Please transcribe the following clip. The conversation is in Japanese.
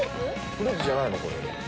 フルーツじゃないの？